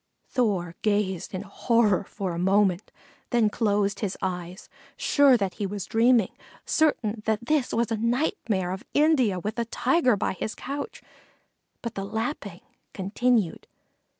Thor gazed in horror for a moment, then closed his eyes, sure that he was dreaming, certain that this was a nightmare of India with a Tiger by his couch; but the lapping continued.